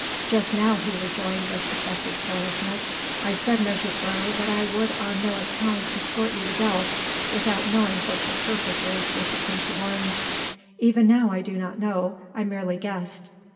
"Just now," he rejoined with affected carelessness, "I said, mejuffrouw, that I would on no account escort you to Delft without knowing what your purpose is with the Prince of Orange. Even now I do not know, I merely guessed."